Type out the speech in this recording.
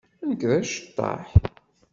Nekk d aceṭṭaḥ.